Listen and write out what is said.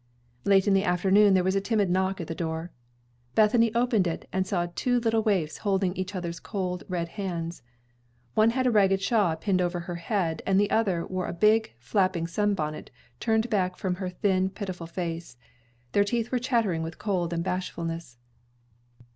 Late in the afternoon there was a timid knock at the door. Bethany opened it, and saw two little waifs holding each other's cold, red hands. One had a ragged shawl pinned over her head, and the other wore a big, flapping sunbonnet, turned back from her thin, pitiful face. Their teeth were chattering with cold and bashfulness.